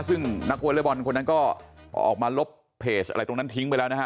ซึ่งนักวอเล็กบอลคนนั้นก็ออกมาลบเพจอะไรตรงนั้นทิ้งไปแล้วนะฮะ